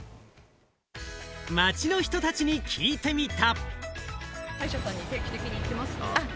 街の人たちに聞いてみた。